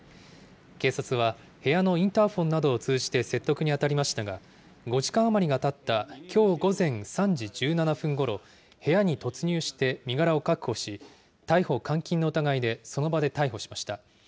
警察は、部屋のインターフォンなどを通じて説得に当たりましたが、５時間余りがたったきょう午前３時１７分ごろ、部屋に突入して身柄を確保し、逮捕監禁の疑いで、その場で逮捕しました。